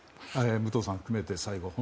武藤さんも含めて、最後。